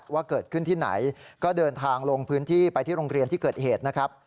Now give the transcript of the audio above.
ว่าเกิดขึ้นที่ไหนก็เดินทางลงพื้นที่ไปที่โรงเรียนที่เกิดเหตุนะครับ